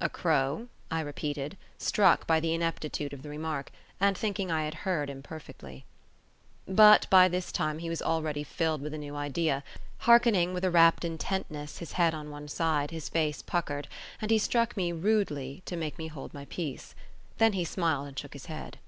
"A crow?" I repeated, struck by the ineptitude of the remark, and thinking I had heard imperfectly. But by this time he was already filled with a new idea; hearkening with a rapt intentness, his head on one side, his face puckered; and he struck me rudely, to make me hold my peace. Then he smiled and shook his head.